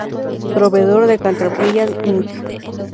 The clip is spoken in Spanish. Proveedor de Caterpillar Inc.